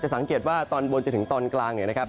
จะสังเกตว่าตอนบนจะถึงตอนกลางนะครับ